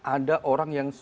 ada orang yang